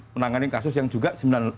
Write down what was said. menangani kasus yang juga